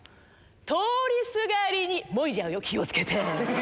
通りすがりにもいじゃうよ気を付けて！